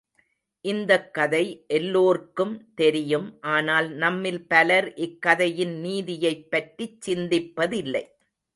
இந்தக் கதை எல்லோர்க்கும் தெரியும் ஆனால் நம்மில் பலர் இக் கதையின் நீதியைப் பற்றிச் சிந்திப்பதில்லை.